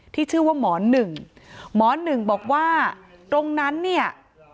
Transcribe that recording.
ที่ชื่อว่าหมอหนึ่งหมอหนึ่งบอกว่าตรงนั้นเนี่ย